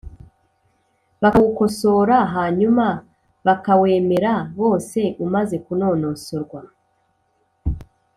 bakawukosora hanyuma bakawemera bose umaze kunonosorwa,